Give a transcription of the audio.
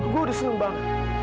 gue udah seneng banget